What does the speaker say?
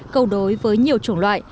cầu đối với nhiều chủng loại